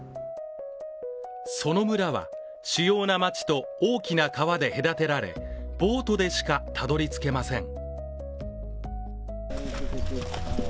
その村は、主要な町と、大きな川で隔てられボートでしか、たどりつけません。